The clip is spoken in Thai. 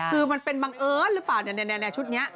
คือมันเป็นบังเอิญหรือเปล่าเนี่ยชุดนี้